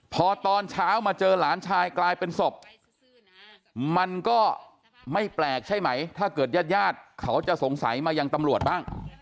พอตอนเช้ามาเจอหลานชายกลายเป็นศพมันก็ไม่แปลกใช่ไหมถ้าเกิดญาติญาติเขาจะสงสัยมายังตำรวจบ้าง